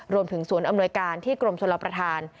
รวมถึงสวนอำนวยการที่กรมชนลประธาน